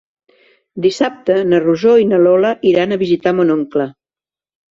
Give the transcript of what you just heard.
Dissabte na Rosó i na Lola iran a visitar mon oncle.